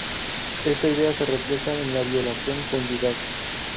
Esta idea se refleja en la violación conyugal.